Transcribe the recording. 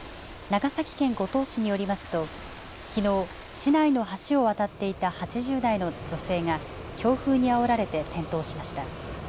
長崎県五島市によりますと、きのう、市内の橋を渡っていた８０代の女性が強風にあおられて転倒しました。